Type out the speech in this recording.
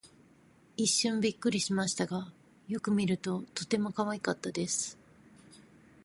一瞬びっくりしましたが、よく見るととてもかわいかったです。